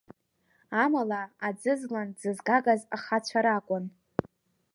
Амала аӡызлан дзызгагаз ахацәа ракәын.